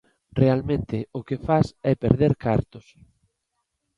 Realmente o que fas é perder cartos.